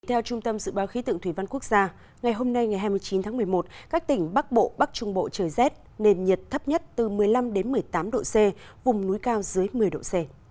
theo trung tâm dự báo khí tượng thủy văn quốc gia ngày hôm nay ngày hai mươi chín tháng một mươi một các tỉnh bắc bộ bắc trung bộ trời rét nền nhiệt thấp nhất từ một mươi năm một mươi tám độ c vùng núi cao dưới một mươi độ c